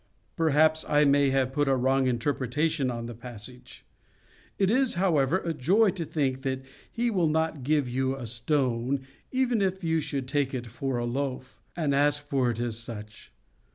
Perhaps I may have put a wrong interpretation on the passage. It is, however, a joy to think that He will not give you a stone, even if you should take it for a loaf, and ask for it as such.